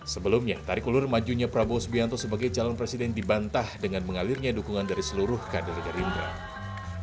sebelumnya tarik ulur majunya prabowo subianto sebagai calon presiden dibantah dengan mengalirnya dukungan dari seluruh kader gerindra